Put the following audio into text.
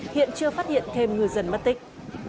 hiện chưa phát hiện thêm ngư dân mất tích